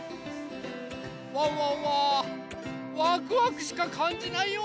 ワンワンはワクワクしかかんじないよ！